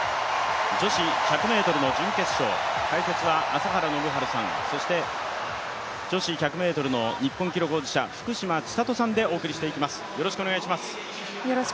女子１００ｍの準決勝、解説は朝原宣治さん、そして女子１００ｍの日本記録保持者、福島千里さんでお送りしていきます。